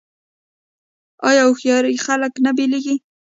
آیا هوښیار خلک نه بیلیږي؟